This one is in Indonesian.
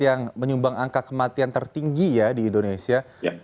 yang menyumbang angka kematian tertinggi ya di indonesia